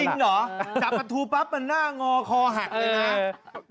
เหรอจับประทูปั๊บมันหน้างอคอหักเลยนะ